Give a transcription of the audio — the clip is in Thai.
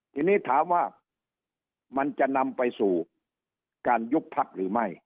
ทีนี้ถามว่ามันจะนำไปสู่การยุบพักหรือไม่